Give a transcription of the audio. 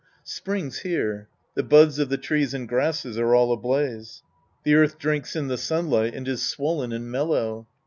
Spring's here. The buds of the trees and grasses are all ablaze. The earth drinks in the sun light and is swollen and mellow.